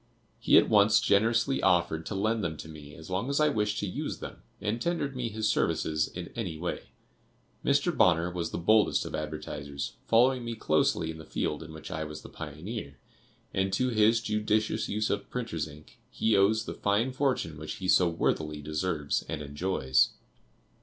He at once generously offered to lend them to me as long as I wished to use them and tendered me his services in any way. Mr. Bonner was the boldest of advertisers, following me closely in the field in which I was the pioneer, and to his judicious use of printers' ink, he owes the fine fortune which he so worthily deserves and enjoys.